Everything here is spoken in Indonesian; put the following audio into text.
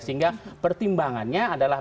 sehingga pertimbangannya adalah